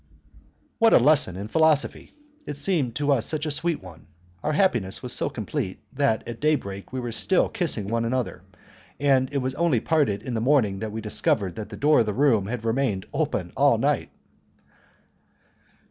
What a lesson in philosophy! It seemed to us such a sweet one, our happiness was so complete, that at daybreak we were still kissing one another, and it was only when we parted in the morning that we discovered that the door of the room had remained open all night.